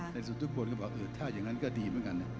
สุดทุกคนก็บอกถ้าอย่างนั้นก็ดีเหมือนกัน